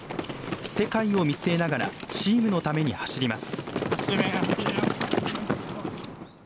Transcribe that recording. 世界を見据えながらチームのために走ります。